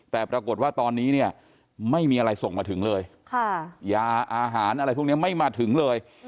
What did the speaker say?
แต่ปรากฏว่าตอนนี้เนี่ยไม่มีอะไรส่งมาถึงเลยยาอาหารอะไรพวกนี้ไม่มาถึงเลย